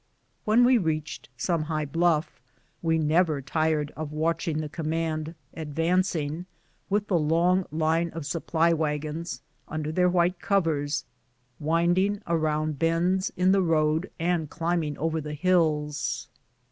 When we reached some high bluff, we never tired of watching the com mand advancing, with the long line of supply wagons, with their white covers, winding around bends in the 40 BOOTS AND SADDLES. road and climbing over the hills.